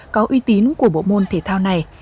có uy tín của bộ môn thể thao này